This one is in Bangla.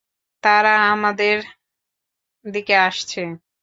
তারা আমাদের দিকে আসছে।